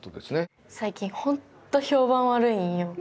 最近ほんと評判悪いんよ